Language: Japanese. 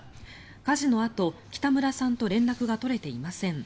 火事のあと、北村さんと連絡が取れていません。